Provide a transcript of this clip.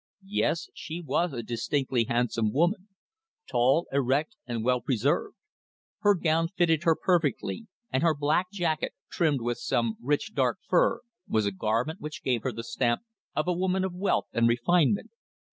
Yes, she was a distinctly handsome woman; tall, erect, and well preserved. Her gown fitted her perfectly, and her black jacket, trimmed with some rich dark fur, was a garment which gave her the stamp of a woman of wealth and refinement.